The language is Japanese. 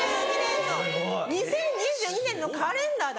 ２０２２年のカレンダーだ。